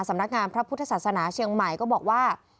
สำนักงานพระพุทธศาสนาเชียงใหม่ก็บอกว่า